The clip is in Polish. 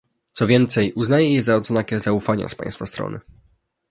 Co więcej, uznaję je za oznakę zaufania z państwa strony